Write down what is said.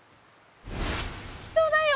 人だよ！